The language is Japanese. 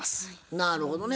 なるほどね。